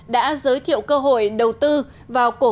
đã giới thiệu cơ hội đầu tư vào cổ vận hóa doanh nghiệp